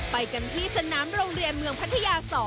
ไปกันที่สนามโรงเรียนเมืองพัทยา๒